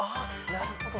なるほど。